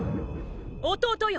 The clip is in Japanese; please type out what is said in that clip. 弟よ！